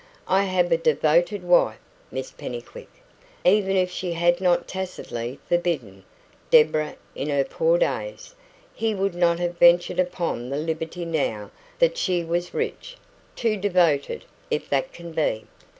I have a devoted wife, Miss Pennycuick" even if she had not tacitly forbidden "Deborah" in her poor days, he would not have ventured upon the liberty now that she was rich "too devoted, if that can be.